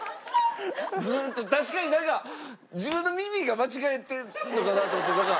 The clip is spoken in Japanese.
ずっと確かになんか自分の耳が間違えてるのかな？と思ってなんか。